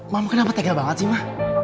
ma ma kenapa tegel banget sih ma